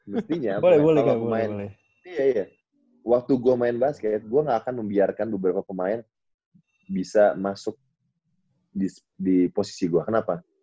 mestinya kalo pemain waktu gua main basket gua gak akan membiarkan beberapa pemain bisa masuk di posisi gua kenapa